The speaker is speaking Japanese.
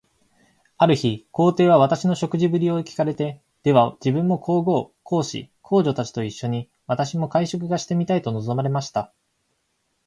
ある日、皇帝は私の食事振りを聞かれて、では自分も皇后、皇子、皇女たちと一しょに、私と会食がしてみたいと望まれました。